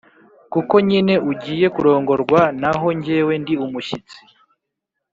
kuko nyine ugiye kurongorwa, naho njyewe ndi umushyitsi.’